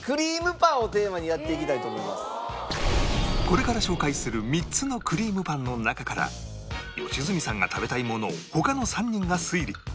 これから紹介する３つのクリームパンの中から良純さんが食べたいものを他の３人が推理